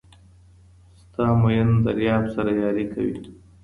ستا ميین درياب سره ياري کوي